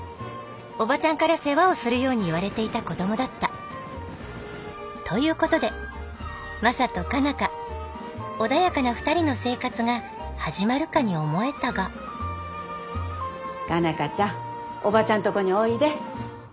オバチャンから世話をするように言われていた子どもだった。ということでマサと佳奈花穏やかな２人の生活が始まるかに思えたが佳奈花ちゃんオバチャンとこにおいで。